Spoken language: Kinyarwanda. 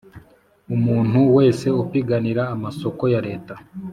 umuntu wese upiganira amasoko ya Leta